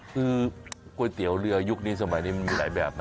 คือก๋วยเตี๋ยวเรือยุคนี้สมัยนี้มันมีหลายแบบนะ